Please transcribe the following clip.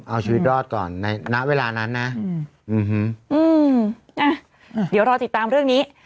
เอาชีวิตรอดก่อนในณเวลานั้นนะเดี๋ยวรอติดตามเรื่องนี้